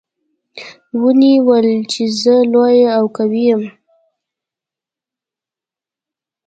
ونې ویل چې زه لویه او قوي یم.